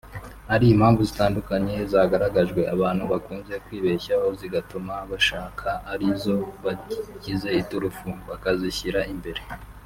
Hari impamvu zitandukanye zagaragajwe abantu bakunze kwibeshyaho zigatuma bashaka ari zo bagize iturufu (bakazishyira imbere)